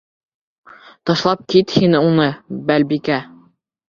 Ташлап кит һин уны, Балбикә.